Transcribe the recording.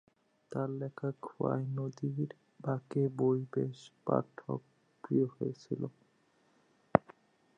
তার লেখা ‘খোয়াই নদীর বাঁকে’ বইটি বেশ পাঠক প্রিয় ছিল।